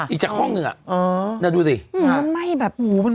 อีกจากห้องนึงอ่ะ